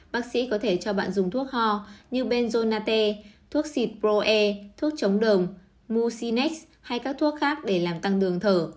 bác sĩ có thể cho bạn dùng thuốc ho như benzonate thuốc xịt pro e thuốc chống đờm mucinex hay các thuốc khác để làm tăng đường thở